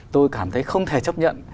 tôi cảm thấy không thể chấp nhận